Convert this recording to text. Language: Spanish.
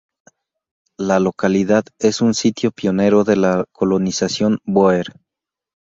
La localidad es un sitio pionero de la colonización bóer.